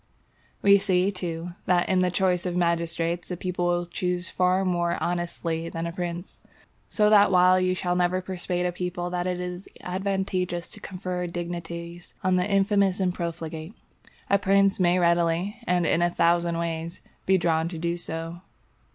We see, too, that in the choice of magistrates a people will choose far more honestly than a prince; so that while you shall never persuade a people that it is advantageous to confer dignities on the infamous and profligate, a prince may readily, and in a thousand ways, be drawn to do so.